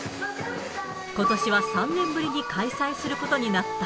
ことしは３年ぶりに開催することになった。